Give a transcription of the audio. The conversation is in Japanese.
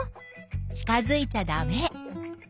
近づいちゃダメ。